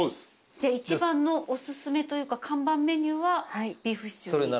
じゃあ一番のおすすめというか看板メニューはビーフシチューに？